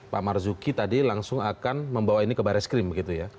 pak marzuki tadi langsung akan membawa ini ke baris krim begitu ya